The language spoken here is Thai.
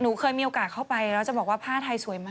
เคยมีโอกาสเข้าไปแล้วจะบอกว่าผ้าไทยสวยมาก